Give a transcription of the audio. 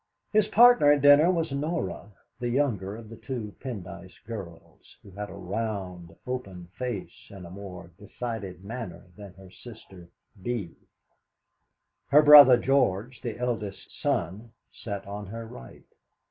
His partner at dinner was Norah, the younger of the two Pendyce girls, who had a round, open face, and a more decided manner than her sister Bee. Her brother George, the eldest son, sat on her right.